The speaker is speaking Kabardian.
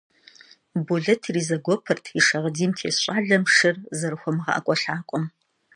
Болэт иризэгуэпырт и шагъдийм тес щӀалэм шыр зэрыхуэмыгъэӀэкӀуэлъакӀуэм.